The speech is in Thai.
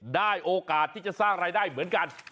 ได้โอกาสที่จะสร้างรายได้เหมือนกัน